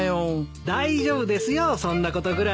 大丈夫ですよそんなことぐらい。